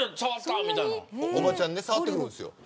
おばちゃん触ってくるんですよ。